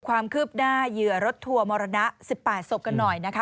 ความคืบหน้าเหยื่อรถทัวร์มรณะ๑๘ศพกันหน่อยนะคะ